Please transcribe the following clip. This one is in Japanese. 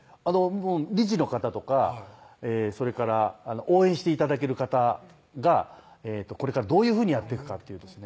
理事の方とかそれから応援して頂ける方がこれからどういうふうにやっていくかっていうですね